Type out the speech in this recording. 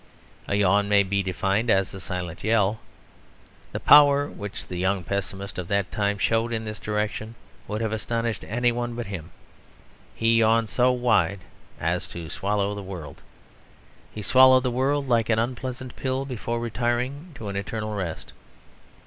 A yawn may be defined as a silent yell. The power which the young pessimist of that time showed in this direction would have astonished anyone but him. He yawned so wide as to swallow the world. He swallowed the world like an unpleasant pill before retiring to an eternal rest.